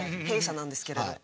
弊社なんですけれど。